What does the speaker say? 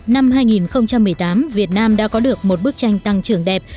năm hai nghìn một mươi tám việt nam đã có được một bức tranh tăng trưởng đẹp